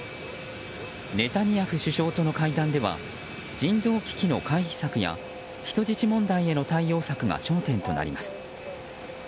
ネタニヤフ首相との会談では人道危機の回避策や人質問題への対応策が焦点となります。